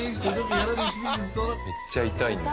めっちゃ痛いんだ。